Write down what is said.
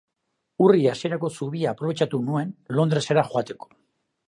Urri hasierako zubia aprobetxatu nuen Londresera joateko.